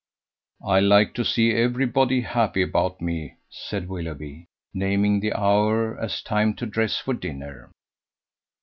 "I like to see everybody happy about me," said Willoughby, naming the hour as time to dress for dinner.